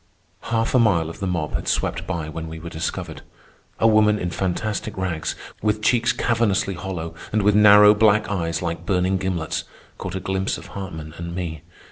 Half a mile of the mob had swept by when we were discovered. A woman in fantastic rags, with cheeks cavernously hollow and with narrow black eyes like burning gimlets, caught a glimpse of Hartman and me.